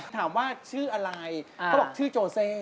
ถามว่าชื่ออะไรเขาบอกชื่อโจเซ